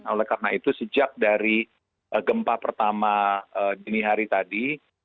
oleh karena itu sejak dari gempa pertama dini hari tadi